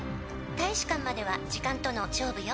「大使館までは時間との勝負よ」